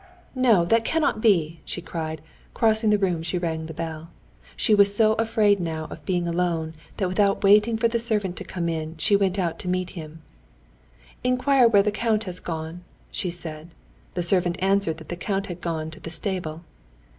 "No, that cannot be!" she cried, and crossing the room she rang the bell. She was so afraid now of being alone, that without waiting for the servant to come in, she went out to meet him. "Inquire where the count has gone," she said. The servant answered that the count had gone to the stable.